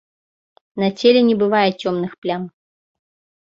На целе не бывае цёмных плям.